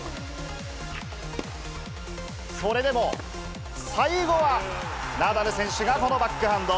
それでも最後は、ナダル選手がこのバックハンド。